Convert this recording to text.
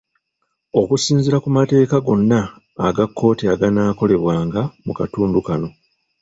Okusinziira ku mateeka gonna aga kkooti aganaakolebwanga mu katundu kano.